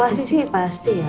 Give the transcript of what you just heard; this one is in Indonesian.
kalo asi sih pasti ya